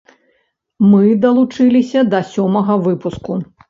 Мы далучыліся да сёмага выпуску.